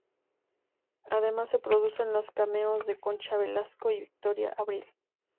Además, se producen los cameos de Concha Velasco y Victoria Abril.